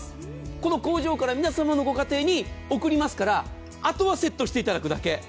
この工場から皆様のご家庭に送りますからあとはセットしていただくだけ。